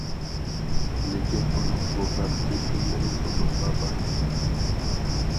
لېكىن، ئۇنىڭ بۇ‹‹ بەختلىك›› كۈنلىرى ئۇزۇنغا بارمىدى.